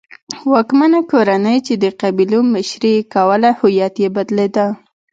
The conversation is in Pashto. واکمنه کورنۍ چې د قبیلو مشري یې کوله هویت یې بدلېده.